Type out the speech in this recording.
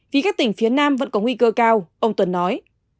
vì các tỉnh phía nam vẫn có nguy cơ cao ông tuấn nói